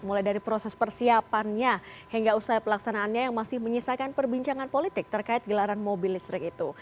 mulai dari proses persiapannya hingga usai pelaksanaannya yang masih menyisakan perbincangan politik terkait gelaran mobil listrik itu